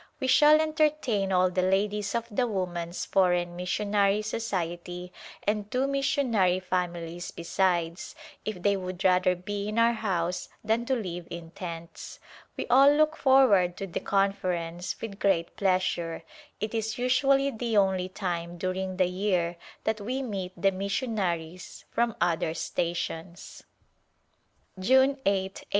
We shall entertain all the ladies of the Woman's Foreign Missionary Society and two mis sionary families besides, if they would rather be in our house than to live in tents. We all look forward to the Conference with great pleasure ; it is usually the only time during the year that we meet the mission aries from other stations. June 8, 1873.